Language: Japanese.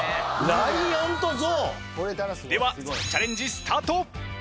ライオンとゾウ。ではチャレンジスタート！